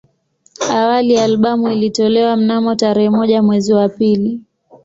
Awali albamu ilitolewa mnamo tarehe moja mwezi wa pili